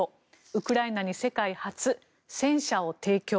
ウクライナに世界初、戦車を提供。